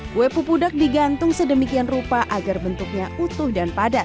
kue pupudak digantung sedemikian rupa agar bentuknya utuh dan padat